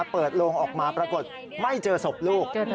โลงออกมาปรากฏไม่เจอศพลูก